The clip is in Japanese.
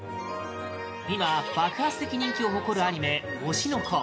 今、爆発的人気を誇るアニメ「推しの子」